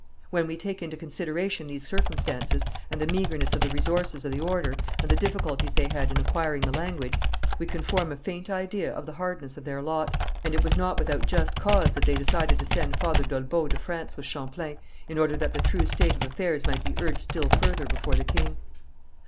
When we take into consideration these circumstances, and the meagreness of the resources of the order, and the difficulties they had in acquiring the language, we can form a faint idea of the hardness of their lot, and it was not without just cause that they decided to send Father d'Olbeau to France with Champlain, in order that the true state of affairs might be urged still further before the king.